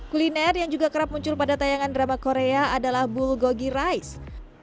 kuliner yang juga kerap muncul pada tayangan drama korea adalah bulgogi rice